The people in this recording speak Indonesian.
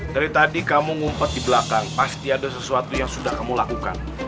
dari tadi kamu ngumpet di belakang pasti ada sesuatu yang sudah kamu lakukan